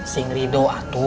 singri do atu